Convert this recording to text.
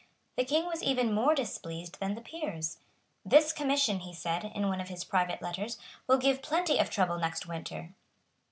The King was even more displeased than the Peers. "This Commission," he said, in one of his private letters, "will give plenty of trouble next winter."